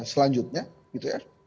selanjutnya gitu ya